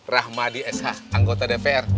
rahmadi sh anggota dpr